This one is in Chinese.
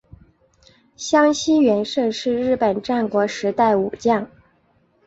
香西元盛是日本战国时代武将。